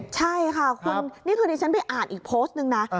ใช่ค่ะนี่ทุกนิดนึงฉันไปอ่านอีกโพสต์หนึ่งนะ